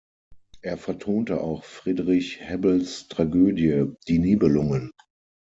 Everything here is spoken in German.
Er vertonte auch Friedrich Hebbels Tragödie "Die Nibelungen".